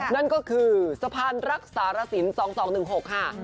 นั่นก็คือสะพานรักษารสิน๒๒๑๖ค่ะ